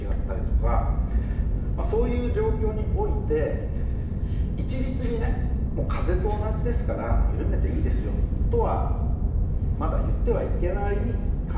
まあそういう状況において一律にね風邪と同じですから緩めていいですよとはまだ言ってはいけない感染症ではある。